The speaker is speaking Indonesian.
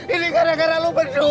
ini gara gara lu berdua